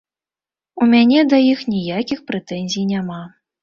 У мяне да іх ніякіх прэтэнзій няма.